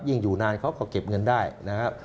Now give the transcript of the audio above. อยู่นานเขาก็เก็บเงินได้นะครับ